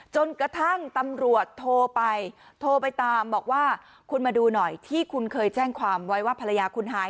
จนกระทั่งตำรวจโทรไปโทรไปตามบอกว่าคุณมาดูหน่อยที่คุณเคยแจ้งความไว้ว่าภรรยาคุณหาย